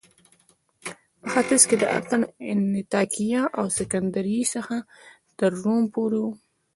په ختیځ کې له اتن، انطاکیه او سکندریې څخه تر روم پورې و